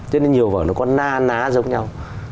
cho nên nhiều vở nó có na ná giống nhau